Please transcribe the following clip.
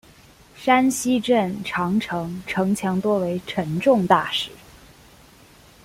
山西镇长城城墙多为沉重大石。